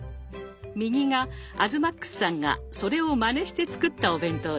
右が東ＭＡＸさんがそれをまねして作ったお弁当です。